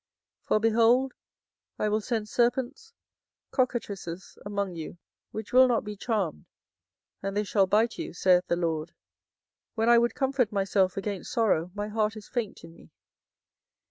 24:008:017 For, behold, I will send serpents, cockatrices, among you, which will not be charmed, and they shall bite you, saith the LORD. 24:008:018 When I would comfort myself against sorrow, my heart is faint in me.